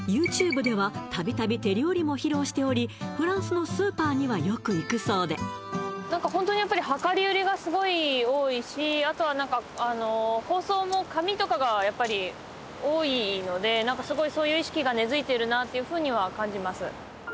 ＹｏｕＴｕｂｅでは度々手料理も披露しておりフランスのスーパーにはよく行くそうで何かホントにやっぱりあとは何か包装も紙とかがやっぱり多いのでそういう意識が根付いてるなっていうふうには感じます